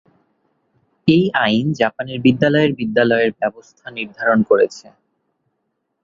এই আইন জাপানের বিদ্যালয়ের বিদ্যালয়ের ব্যবস্থা নির্ধারণ করেছে।